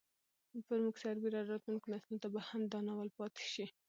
پر موږ سربېره راتلونکو نسلونو ته به هم دا ناول پاتې شي.